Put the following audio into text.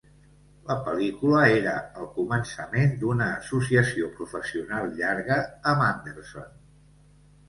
La pel·lícula era el començament d'una associació professional llarga amb Anderson.